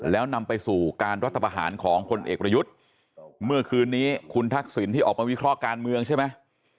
แล้วนำไปสู่การรัฐประหารของพลเอกประยุทธ์เมื่อคืนนี้คุณทักษิณที่ออกมาวิเคราะห์การเมืองใช่ไหม